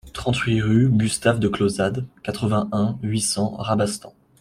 trente-huit rue Gustave de Clausade, quatre-vingt-un, huit cents, Rabastens